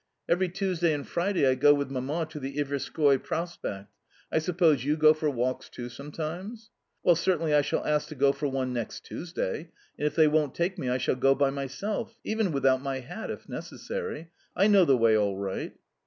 "Every Tuesday and Friday I go with Mamma to the Iverskoi Prospect. I suppose you go for walks too sometimes?" "Well, certainly I shall ask to go for one next Tuesday, and, if they won't take me I shall go by myself even without my hat, if necessary. I know the way all right."